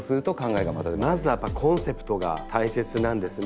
まずはコンセプトが大切なんですね。